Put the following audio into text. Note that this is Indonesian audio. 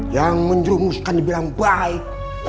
yang menjurumuskan dibilang baik